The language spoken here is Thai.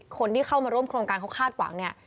คนที่เข้ามาร่วมโครงการเขาคาดหวังเนี่ย